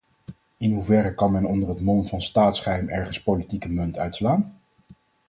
In hoeverre kan men onder het mom van staatsgeheim ergens politieke munt uitslaan?